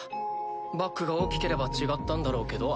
バックが大きければ違ったんだろうけど。